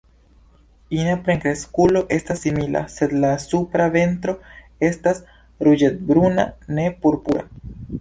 Ina plenkreskulo estas simila, sed la supra ventro estas ruĝecbruna, ne purpura.